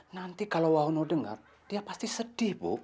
nanti kalau wono dengar dia pasti sedih bu